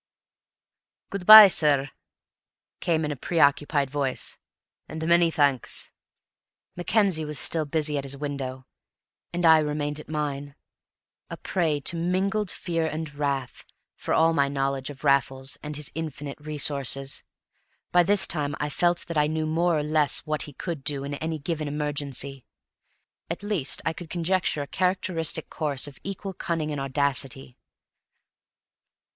"Good by, sir," came in a preoccupied voice, "and many thanks." Mackenzie was still busy at his window, and I remained at mine, a prey to mingled fear and wrath, for all my knowledge of Raffles and of his infinite resource. By this time I felt that I knew more or less what he would do in any given emergency; at least I could conjecture a characteristic course of equal cunning and audacity.